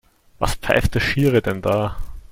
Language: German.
Was pfeift der Schiri denn da?